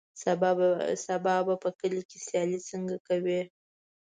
سبا به په کلي کې سیالۍ څنګه کوې.